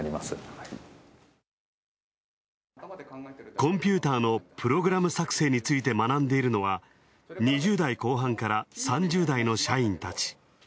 コンピューターのプログラム作成について学んでいるのは、２０代後半から３０代の社員たち。